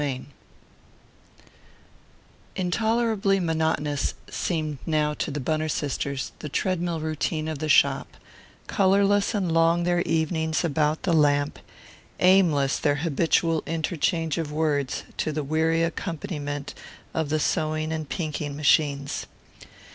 IV Intolerably monotonous seemed now to the Bunner sisters the treadmill routine of the shop, colourless and long their evenings about the lamp, aimless their habitual interchange of words to the weary accompaniment of the sewing and pinking machines.